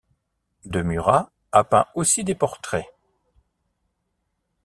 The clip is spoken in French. De Mura a peint aussi des portraits.